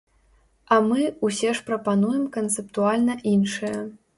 А мы ўсе ж прапануем канцэптуальна іншае.